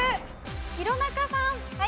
弘中さん。